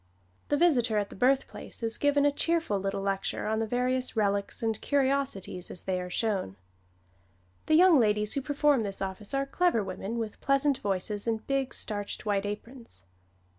The visitor at the birthplace is given a cheerful little lecture on the various relics and curiosities as they are shown. The young ladies who perform this office are clever women with pleasant voices and big, starched, white aprons.